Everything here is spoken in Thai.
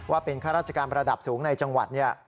ว่าเป็นข้าราชการระดับสูงในจังหวัด